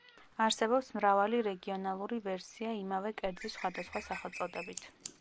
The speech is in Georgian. არსებობს მრავალი რეგიონალური ვერსია იმავე კერძის სხვადასხვა სახელწოდებით.